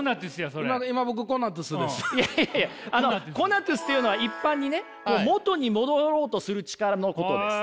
いやいやコナトゥスというのは一般に元に戻ろうとする力のことです。